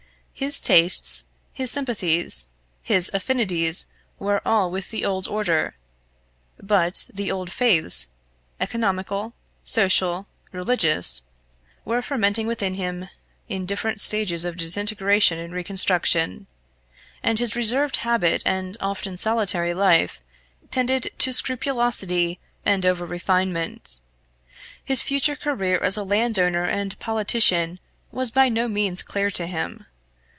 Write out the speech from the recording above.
His tastes, his sympathies, his affinities were all with the old order; but the old faiths economical, social, religious were fermenting within him in different stages of disintegration and reconstruction; and his reserved habit and often solitary life tended to scrupulosity and over refinement. His future career as a landowner and politician was by no means clear to him.